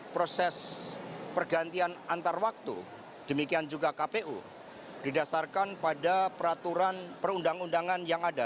proses pergantian antar waktu demikian juga kpu didasarkan pada peraturan perundang undangan yang ada